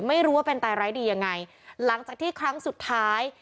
ไม่รู้ว่าเป็นตายร้ายดียังไงหลังจากที่ครั้งสุดท้าย